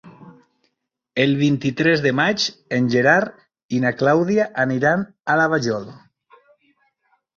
El vint-i-tres de maig en Gerard i na Clàudia aniran a la Vajol.